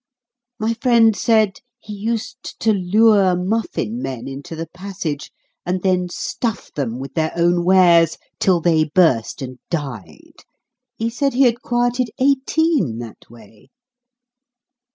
My friend said he used to lure muffin men into the passage and then stuff them with their own wares till they burst and died. He said he had quieted eighteen that way.